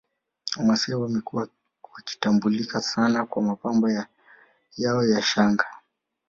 Wamasai wamekuwa wakitambulika sana kwa mapambo yao ya shanga